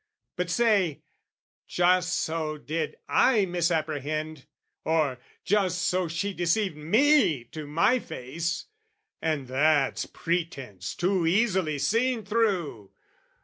But say "Just so did I misapprehend!" Or "Just so she deceived me to my face!" And that's pretence too easily seen through!